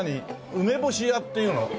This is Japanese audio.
梅干し屋っていうの？